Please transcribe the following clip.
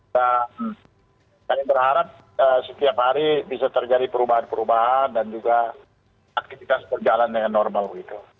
saya berharap setiap hari bisa terjadi perubahan perubahan dan juga aktivitas berjalan dengan normal